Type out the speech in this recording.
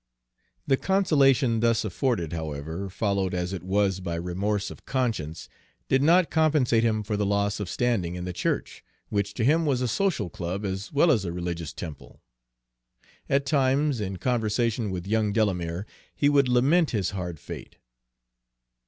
The consolation thus afforded, however, followed as it was by remorse of conscience, did not compensate him for the loss of standing in the church, which to him was a social club as well as a religious temple. At times, in conversation with young Delamere, he would lament his hard fate.